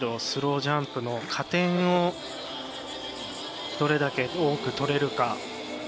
スロージャンプの加点をどれだけ多く取れるか。